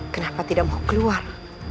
kenapa tidak mau keluar